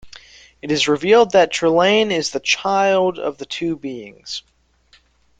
It is revealed that Trelane is the "child" of the two beings.